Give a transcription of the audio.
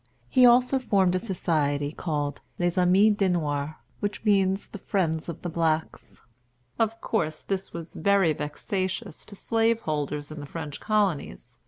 He also formed a society called Les Amis de Noirs, which means "The Friends of the Blacks." Of course, this was very vexatious to slaveholders in the French colonies.